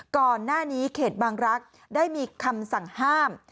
ก่อนหน้านี้เขตบางรักษ์ได้มีคำสั่งห้าม